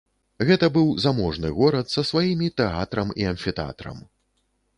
Гэта быў заможны горад са сваімі тэатрам і амфітэатрам.